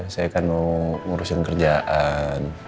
saya kan mau ngurusin kerjaan